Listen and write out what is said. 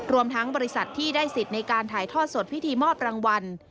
รวมทั้งบริษัทที่ได้สิทธิ์ในการถ่ายทอดสดพิธีมอบรางวัล